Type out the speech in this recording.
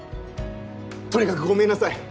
とにかくごめんなさい。